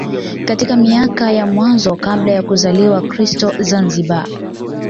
Katika mika ya mwanzo kabla ya kuzaliwa Kristo Zanzibar